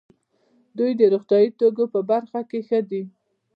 دوی د روغتیايي توکو په برخه کې ښه دي.